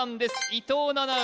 伊藤七海